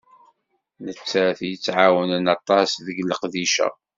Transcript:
Nettat i t-iεewnen aṭas deg leqdic-a.